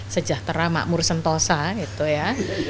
sejahtera makmur sentosa gitu ya